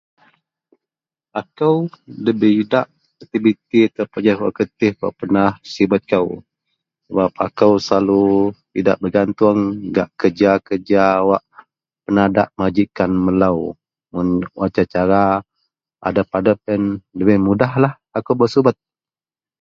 Aku debei idak aktiviti atau... [unintelligible] wak kertih wak sibet kou sebab akou selalu idak begatung gak kerja-kerja wak penadak majikan melo mun atur cara adep-adep iyen da bei mudah lah akou bak subet.